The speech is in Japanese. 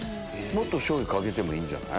もっとかけてもいいんじゃない？